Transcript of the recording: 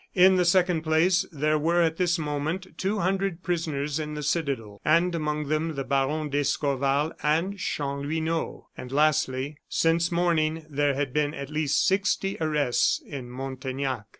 In the second place, there were, at this moment, two hundred prisoners in the citadel, and among them the Baron d'Escorval and Chanlouineau. And lastly, since morning there had been at least sixty arrests in Montaignac.